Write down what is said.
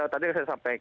tadi saya sampaikan